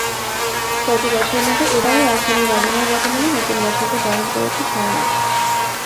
প্রতিবছরের মতো এবারও রাজধানীর রমনার বটমূলে নতুন বছরকে বরণ করেছে ছায়ানট।